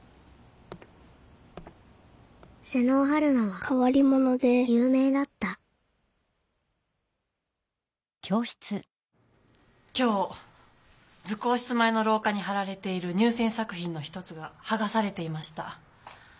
妹尾陽菜はかわりものでゆうめいだった今日図工室前のろうかにはられている入せん作品の一つがはがされていました。